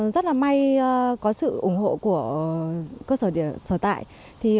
rất là may có sự ủng hộ của cơ sở sở tại